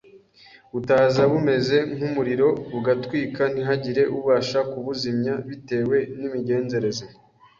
butaza bumeze nk umuriro bugatwika ntihagire ubasha kubuzimya bitewe n imigenzereze